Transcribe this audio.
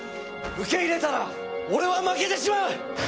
受け入れたら俺は負けてしまう！